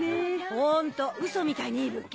ホントウソみたいにいい物件。